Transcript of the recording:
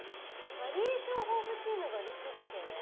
バリエーション豊富っていうのが嬉しいですよね